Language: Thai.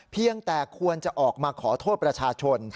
เพียงแต่ควรจะออกมาขอโทษประชาชน